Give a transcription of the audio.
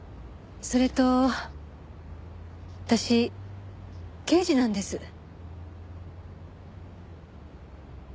それと私刑事なんです。